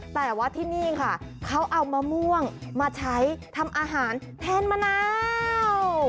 แต่ว่าที่นี่ค่ะเขาเอามะม่วงมาใช้ทำอาหารแทนมะนาว